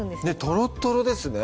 とろっとろですね